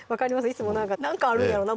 いつもなんか何かあるんやろな